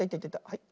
はい。